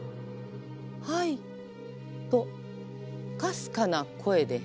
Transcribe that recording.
「はい」とかすかな声で返事が。